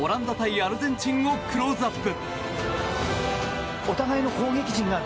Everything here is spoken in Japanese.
アルゼンチンをクローズアップ。